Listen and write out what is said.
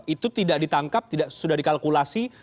itu tidak ditangkap sudah dikalkulasi